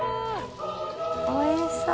おいしそう。